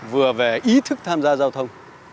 vừa về ý thức tham gia giao thông